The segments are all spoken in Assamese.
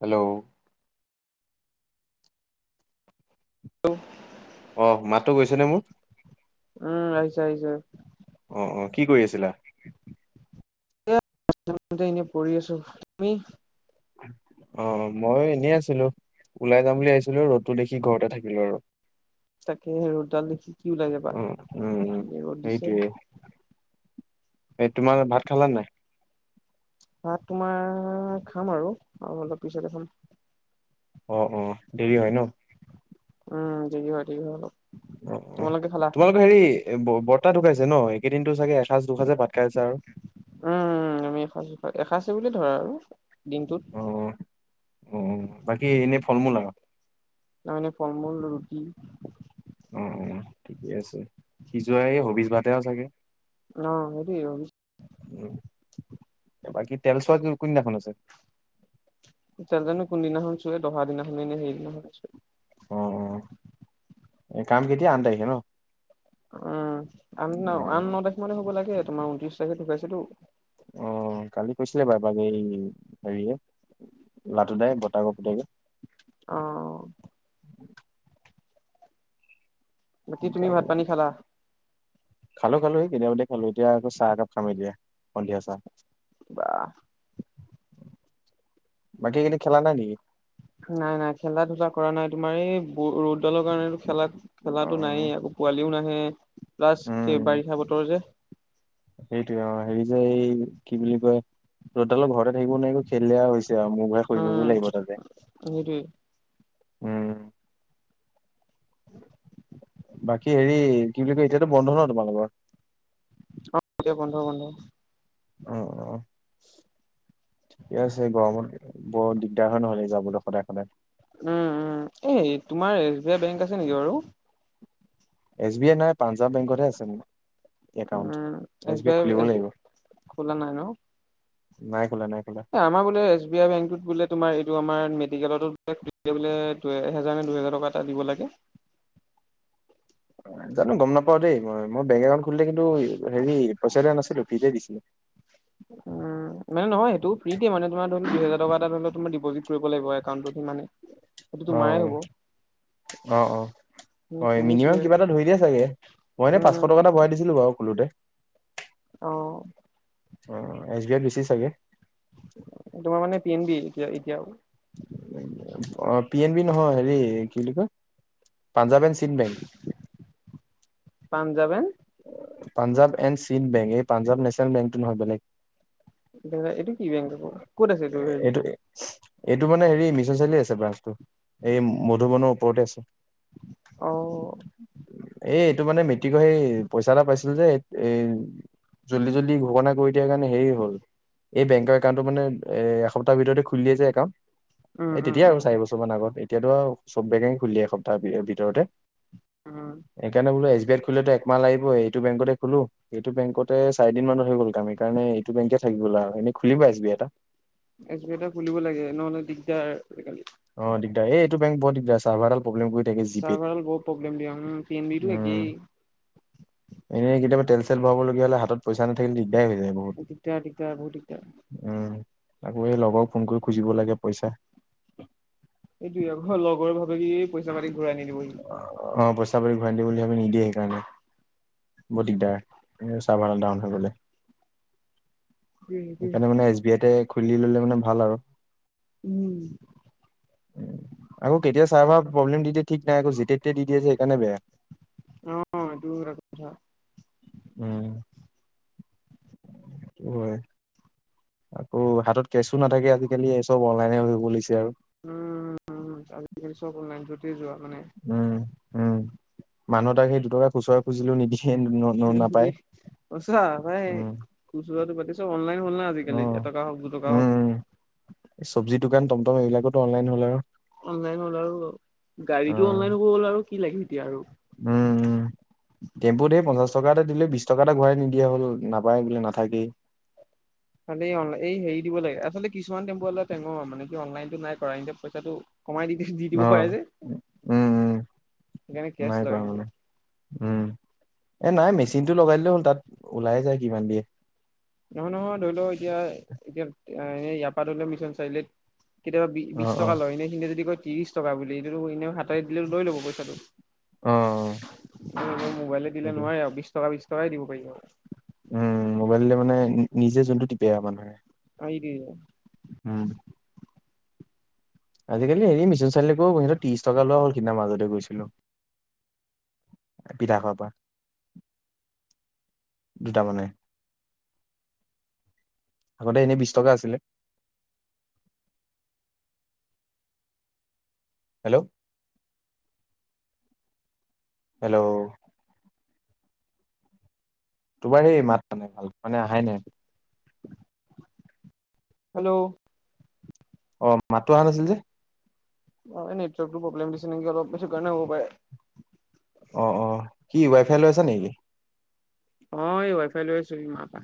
হেল্ল' হেল্ল অ মাতটো গৈছে নে মোৰ উম আহিছে আহিছে। আহ অ কি কৰি আছিলা? এয়া এনে পঢ়ি আছো তুমি? অ মই এনেই আছিলো ওলাই যাম বুলি ভাৱিছিলো ৰ'দতো দেখি ঘৰতে থাকিলো আৰু। তাকে ৰ'দডাল দেখি কি ওলাই যাবা উ উম উম এ ৰ'দ দিছে। সেইটোয়ে এই তোমাৰ ভাত খালা নাই? ভাত তোমাৰ খাম আৰু আৰু অলপ পিছতে খাম। অ অ দেৰি হয় ন উম দেৰি হয় দেৰি হয় অলপ অ অ তোমালোকে খালা তোমালোকৰ হেৰি বৰ্তা ঢুকাইছে ন একেইদিনো চাগে এসাঁজ দুসাঁজে ভাত খাইছে আৰু উম আমি এসো এসাঁজ বুলিয়ে ধৰা আৰু অ দিনটোত। অ বাকী এনে ফল মূল আৰু। তাৰ মানে ফল মূল ৰুটি। অ অ ঠিকে আছে সিজোৱাই এই হবিজ ভাতে আৰু চাগে অ হেৰি বাকী তেল চোৱা কোনদিনাখন আছে নাজানো কোনদিনাখন চুুৱে দহা দিনাখননে সেইদিনাখন চে অ অ এ কাম কেতিয়া আন তাৰিখে ন উম আন ন অ আন ন তাৰিখ মানে হ'ব লাগে তোমাৰ ঊনত্ৰিশ তাৰিখে ঢুকাইছে টো অ কালি কৈছিলে বাৰু পাল এই হেৰিয়ে লাতু দাই বৰ্তাকৰ পুতেকে অ বাকি তুমি ভাত পানী খালা? খালো খালো স কেতিয়াবাতেই খালো এতিয়া আকৌ চাহ একাপ খাম এতিয়া সন্ধিয়া চাহ বাাহ বাকী এইকেইদিন খেলা নাই নেকি? নাই নাই খেলা ধূলা কৰা নাই তোমাৰ এই ব ৰ'দডালৰ কাৰণো খেলা খেলাটো অ', নাইয়ে আকৌ পোৱালিও নাহে প্লাছ সেই বাৰিষা বতৰ যে। সেইটোয়ে অ হেৰি যে এই কি বুলি কয় ৰ'দডালৰ ঘৰতে থাকিব নোৱাৰি একো খেলিলে আৱ হৈছে। মোৰ ঘূৰাই শুই পৰিব উম লাগিব তাতে সেইটোৱে উম। বাকী হেৰি কি বুলি কয় এতিয়াতো বন্ধ ন তোমালোকৰ। অ এতিয়া বন্ধ বন্ধ। অ অ। ঠিকে আছে গৰমত বৰ দিগদাৰ হয় নহলে যাবলৈ সদায় সদায়। উম উম এই তোমাৰ এছ বি আই বেংক আছে নেকি বাৰু। এছ বি আই নাই পাঞ্জাৱ বেংকতহে আছে মোৰ। একাউণ্ট এছ বি আইত খুলিব লাগিব। খোলা নাই ন নাই খোলা নাই খোলা। আমাৰ বোলে এছ বি আই বেংকটোত বোলে তোমাৰ এইটো আমাৰ। মেডিকেলো বলে এহেজাৰ নে দুহেজাৰ টকা এটা দিব লাগে। জানো গম নাপাও দেই মই মই বেংক একাউণ্ট খুলিলে কিন্তু হেৰি পইচা দিয়া নাছিলো ফ্ৰীতে দিছিলে। [unintelligible] উম মানে নহয় য়েইটো ফ্ৰী দিয়ে মানে তোমাৰ ধৰি ল দুহেজাৰ টকা এটা ধৰা তোমাৰ ডিপজি কৰিব লাগিব একাউণ্টত। সিমানে সেইটোতো মায়েই অ', হ'ব। অ অ। হয় মিনিমাম শুনিছোৱে কিবা এটা ধৰি দিয়ে চাগে মই ইনে পাঁচশ টকা উম এটা ভৰাই দিছিলো বাৰু খোলোতে। অহ। অ এছ বি আইত বেছি চাগে। তোমাৰ মানে পি এন বি এতিয়া এতিয়াও। অ পি এন বি নহয় হেৰি কি বুলি কয়। Punjab and Sind bank. Punjab and Punjab and Sind bank এই পাঞ্জাৱ নেশ্যনেল বেংকটো নহয় বেলেগ। এইটো কি বেংক আকৌ ক'ত আছে হেৰি এইটো এইটো মানে হেৰি মিছন চাৰিলিত আছে ব্ৰাঞ্চটো। এই মধুবনৰ ওপৰতে আছে। অহঁ। সটো মানে মেটতিক সেই। পইচা এটা পাইছিলো যে এ জল্দি জল্দি ঘোষণা কৰি দিয়াৰ কাৰণে হেৰি হ'ল। এই বেংকৰ একাউণ্টটো মানে এসপ্তাহৰ ভিতৰতে খুলি দিয়ে যে একাউণ্ট। উম এ উম তেতিয়াাই আৰু উম চাৰি বছৰ মান আগত এতিয়াতো আৰু চব বেংকে খুলি দিয়ে এসপ্তাহমান ভিতৰতে। উম সেইকাৰণে বোলো এছ বি আই খুল এক। ইমান লাগিব এইটো বেংকতে খোলো এইটো বেংকতে চাৰি দিন মানত হৈ গ'ল কাম হেইকাৰনে এইটো বেংকতে থাকি গল আৰু। খুলিবা এছবিএ এটা। এছবই খুলিব লাগে নহলে দিগদাৰ আজিকালি। অ দিগদাৰ এইটো বেং বৰ দিগদাৰ আছে চাৰভাৰডাল ছাৰ্ভাৰ দাল বৰ প্ৰব্লেম দিয়ে পেইনবিলটো একেই। এনেয় কেতিয়াবা তেল চেল ভৰাবলগীয়া হ'লে হাতত পইচা নাথাকিলে। দিগদাৰ হৈ যায় দিগদাৰ দিগদাৰ দিগদাৰ বহুত উম। আকৌ এই লগৰক ফোন কৰি খুজিব লাগে পইচা। এইটোয়ে আকৌ লগৰে ভাবে কি পইচা মাতি ঘূৰাই নিদিব ই। অ' পইচা পাতি ঘূৰাই নিদিব বুলি ভাবি নিদিয়ে সেইকাৰণে। বহুত দিগদাৰ এ চাৰভাৰডাউন হৈ গলে। সেইটোৱে সেইকাৰণে মানে এছ বি আইতে খুলি ললে মানে ভাল আৰু। উম। উম। আকৌ কেতিয়া চাৰ্ভাৰ প্ৰব্লেম দি দিয়ে ঠিক নাই আক যেতিয়াই তেতিয়াই দি দিয়ে যে সেইকাৰনে বেয়া। অ সেইটো এটা কথা। উম হয়। আকৌ হাতত কেছো নাথাকে আজিকালি এই চব অনলাইনে হব লৈছে আৰু উম আজিকালি চব অনলাইন যতে যোৱা। মানে উম উম মানুহ তাক সেই দুটকা খুচৰাই খুজিলো নিদিয়ে ন ন নাপায় সঁচা ভাই উম খুচুৰাটো পাতিছ অনলাইন হ'ল ন অ আজিকালি এটকা হওক দুটকা উম উম। হওক চব্জি দোকান টমটম এইবিলাকোতো অনলাইন হল আৰু অনলাইন হ'ল আৰু অ গাড়ীটো অনলাইন হব গ'ল আৰু কি লাগে এতিয়া আৰু পঞ্চাছ টকা এটা দিলে বিশ টকা এটা ঘূৰাই নিদিয়া হ'ল নাপায় বোলে নাথাকেই। খালি এই হেৰি দিব লাগে আচলতে কিছুমান টেম্পু টেঙৰ মানে কি অনলাইনটো নাই কৰা এয়া পইচাটো কমাই দি দি দিব অ পাৰে যে উম উম সেইকাৰণে কেছ নাই লয় কৰা ইহঁতে মানে উম এ নাই মেচিন টো লগাই হ'ল তাত ওলায় যায় কিমান দিয়ে নহয় নহয় ধৰি লও এতিয়া এতিয়া এ ইয়াপা ধৰি লও মিছন চাৰিআলিত কেতিয়াবা বি অ বিশ অ টকা লয়, এনে সিনে যদি কয় ত্ৰিশ টকা বুলি স এনেও হাতে দিলে লৈ ল'ব পইচাটো অ মোবাইলে দিলে সেইটোৱে নোৱাৰে আৰু বিশ টকা বিশ টকাই দিব পাৰিব আৰু উম মোবাইললে মানে নিজে যোনটো টিপে আও মানুহে [inaudible] ওম আজিকালি হেৰি মিচন চাৰিআলিলেকো সিহত ত্ৰিশ টকা লোৱা হ'ল সেইদিনা মাজতে গৈছিলো। বিধানসভা দুটা মানে আগতে এনে বিশ টকা আছিলে। হেল্ল' হেল্ল' তোমাৰ সেই মাত মানে ভাল মানে আহাই নাই হেল্ল' অ মাতটো অহা নাছিল যে অ নেটৰ্কটো প্ৰব্লেম দিছে নেকি অলপ সেইটো কাৰণে হ'ব পাৰে অ অ কি ৱাই ফাই লৈ আছা নেকি? অ এই ৱাইফাই লৈ আছো ই মা পা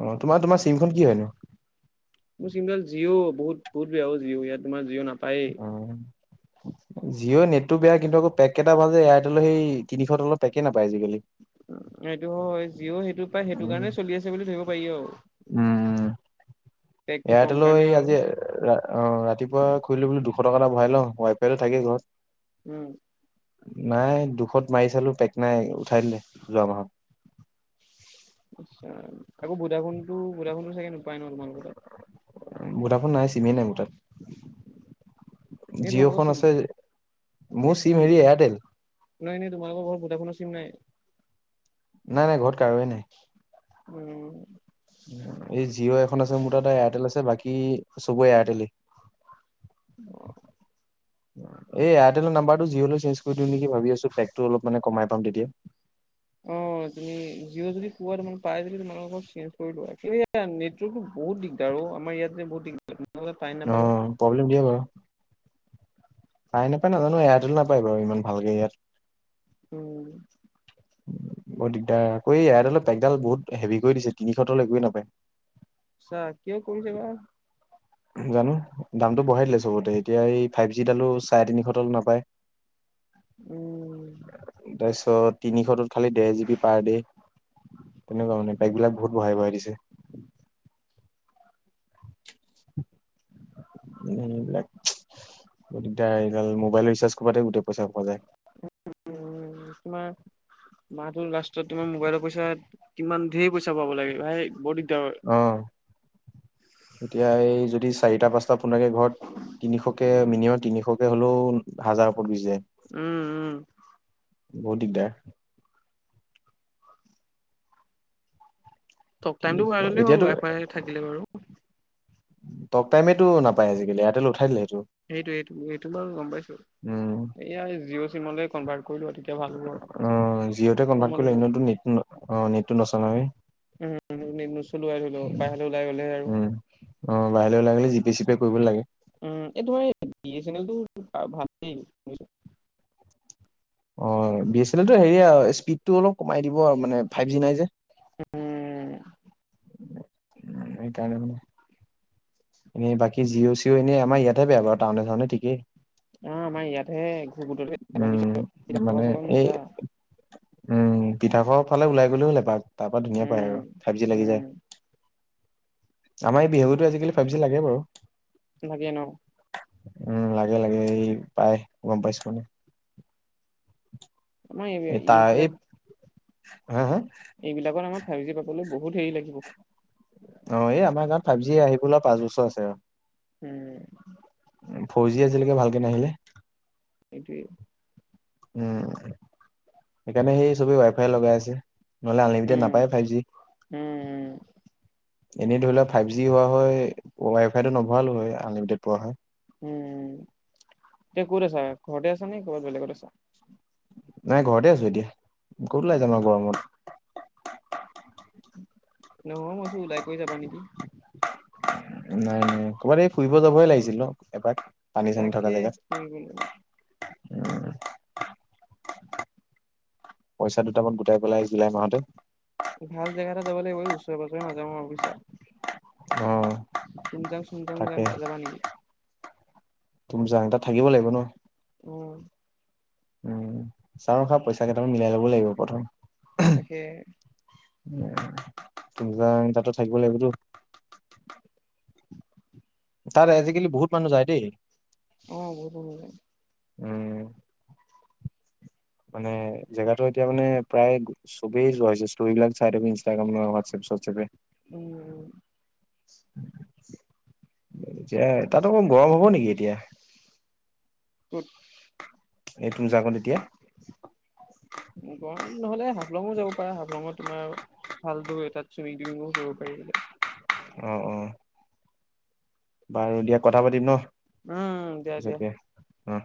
অ তোমাৰ তোমাৰ চিমখন কি হয় নো। মোৰ চিমডাল জিঅ' বহুত বহুত বেয়া' জিঅ' ইয়াত তোমাৰ জিঅ' নাপাই। উম জিঅ' নেট টো এই বেয়া কিন্তু আকৌ পেকেইটা ভাল যে এয়াৰটেলৰ সেই তিনিশ তলৰ পেকে নাপায় আজিকালি। এইটো হয় যিও সেইটো পায় সেইটো উম কাৰণে চলি আছে বুলি ধৰিব পাৰি আৰু উম পেকটো কম এয়াৰটেলৰ কাৰণে আৰু। আজি অ ৰাতিপুৱা খুৰিলো বুলি দুশ টকা এটা ভৰাই ল‌ও ৱাইফাইটো থাকে ঘৰত উম নাই দুখত মাৰি চালো পেক নাই উঠাই দিলে যোৱা মাহত। আচ্চা আকৌ ভোদা ফোনটো ভোদাফোনটো চাগে ন নোপায় তোমালোকৰ তাত ভোদাফোন নাই চিমেই নাই মোহ তাত। জিঅ'খন আছে এ মোৰ চিম হেৰি এয়াৰটেল। ন এনেই তোমালোকৰ বৰত ভোডাফোনৰ চিম নাই, নাই নাই ঘৰত কাৰোয়েই নাই। উম এই জিঅ' এখন আছে মোৰ তাতে এয়াৰটেল আছে বাকী চবৰে এয়াৰটেলেই। অ এয়াৰটেলৰ নাম্বৰটো জিঅ'লৈ চে্জ কৰি দিওঁ নেকি ভাবিছো পেকটো অলপ মানে কমাই পাম তেতিয়া অ তুমি জিঅ' যদি কোৱা তাৰ পাই যদি তোমালোক চেঞ্জ কৰি লোৱা কিন্তু নেটৰ্টো বহুত দিগদাৰ অ আমাৰ ইয়াত যে বহুত দিগ অ প্ৰব্লেম দিয়ে বাৰু পাই নাপায় নাজানো এয়াৰটেল নাপায় বাৰু ইমান ভালকে ইয়াত উম বৰ দিগদাৰ আকৌ এই ইডালৰ পেকডাল বহুত হেভি কৰি দিছে তিনিশ তলৈ একোৱেই নাপায়। ছাহ কিয় কৰিছে বা জানো দামটো বঢ়াই দিলে চবতে এতিয়া এই ফাইভ জিডালো চাৰে তিনিশ তলত নাপায়। উম ত' তিনিশটোত খালি ডেৰ জিবি পাৰ ডে তেনেকুৱা মানে পেক বিলাক বহুত বঢ়াই বঢ়াই দিছে। [inaudible] এইবিলাক বৰ দিগদাৰ মোবাইল ৰিচাৰ্জ কৰাতে গোটেই সোপা পইচা পোৱা যায়। তোমাৰ মাহটোৰ লাষ্টত তোমাৰ মোবাইলৰ পইচা কিমান ধেৰ পইচা পাব লাগে ভাই বৰ দিগদাৰ অ হয়। এতিয়া এই যদি চাৰিটা পাঁচটা ফোনকে ঘৰত তিনিশকে মিনিমাম তিনিশক হ'লেও হাজাৰৰ ওপৰত গুচি যায়। উম উম বহুত দিগদাৰ টক টাইমতো তিনিশ বঢ়াই ললে হল এতিয়াতো ৱাই ফাই থাকিলে বাৰু। ট টাইমেটো নাপায় আজিকালি এয়াৰটেলে উঠাই দিলে। সেইটো সেইটো সেটো বাৰু গম পাইছো উম এয়া জিঅ' চিম কনভাৰ্ট কৰি লোৱা তেতিয়া ভাল হ'ব আৰু অ জিঅতে কনভ্ট কমত কৰিলে হ'ব নেট অ নেটটো নচলাওৱে। উম নচলোৱাই ধই লও বাহিৰলৈ ওলাই গলেহে আৰু। বহিৰলে ওলাই গিলে জি পে চি পে কৰিব লাগে। উম এই তোমাৰ বি এ ছেনেল ভালেই বুজিছ। অ বি এ ছেনেলটো হেৰি আৰু স্পীডটো অলপ কমাই দিব আৰু মানে ফাইভ জি নাই যে উম উম সেইকাৰণে মানে এনেই বাকী জিঅ' চিঅ' এনেই আমাৰ ইয়াতে বেয়া বাউ টাউনে চাউনে ঠিকেই। অ আমাৰ ইয়াতহে উম মানে এই [unintelligible] উম পিঠাখোৱা ফালে ওলাই গলেও হ'লো এপাক তাৰ পৰা ধুনীয়া পায় উম আৰু ফাইভ জি লাগি যায়। উম আমাৰ এই বিহু ঘৰটো আজিকালি ফাইভ জি লাগে বাৰু। লাগে ন উম লাগে লাগে এই পাই গম পাইছোঁ মানে। মই এই তাৰ এই এইবিলাক। হা হা এইবিলাকত আমাৰ ফাইভ জি পাবলৈ বহুত হেৰি লাগিব। অ এই আমাৰ গাঁৱত ফাইভ জি আহিবলৈ পাঁচ বছৰ আছে আৰু। উম। ফ'ৰ জি আজিলৈকে ভালকে নাহিলে সেইটোৱেই উম সেইকাৰণে সেই চবেই ৱাই ফাই লগাই আছে। নহ'লে আনলিমিটেড উম নাপায় ফাইভ জি উম এনেই ধৰি লোৱা ফাইভ জি হোৱা হয় ৱাই ফাইটো নভৰালো হয়, আনলিমিটেড পোৱা হয়। উম এতিয়া ক'ত আছা ঘৰতে আছা নে ক'বাত বেলেগত আছা? নাই ঘৰতে আছো এতিয়া ক'ত ওলাই যাম আৰু গৰমত নহয় মই কৈছো ওলাই কৰি যাবা নেকি? নাই নাই। ক'ৰবাত এই ফুৰিব যাবই লাগিছিল নহ এপাক পানী চানী তাকে থকা জেগাত। ফুৰিবলৈ উম [inaudible] পইচা দুটামান গোটাই পেলাই এই জুলাই মাহতে ভাল জেগা এটা যাব লাগিব ওচৰে পাজৰে মাজে সময়ে বুজিছা। অ তুম যাং চুম যাং যাবা নেকি? তুম যাং তাত থাকিব লাগিব ন। উম। উম চা খা পইচা কেইটামান মিলাই লব লাগিব প্ৰথম। তাকে। কিন্ত তাতো থাকিব লাগিবতো। তাত আজিকালি বহুত মানুহ যায় দেই। অ বহুত। উম। মানে জেগাতো এতিয়া মানে প্ৰায় চবেই যোৱা হৈছে। তো এইবাক ছাই ইনষ্টাগ্ৰাম ন হোৱাটএপটএপে। উম। উম। [unintelligible] এতিয়া তাত অকণ গৰম হ'ব নেকি এতিয়া। কত। এই টো যাগ তেতিয়া। গৰম নহলে হাফলংও যাব পাৰা হাফলঙত তোমাৰ। ভালদুব এ তাৰ চ মি দিমিং কৰিব পাৰিলে। অ অ বাৰু দিয়া কথা পাতিম ন উম দিয়া দিয়া পিছতকে অ।